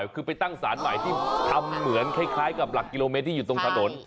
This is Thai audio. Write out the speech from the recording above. คือไปตั้งสารใหม่ที่ทำเหมือนคล้ายกับหลักกิโลเมตรที่อยู่ตรงถนน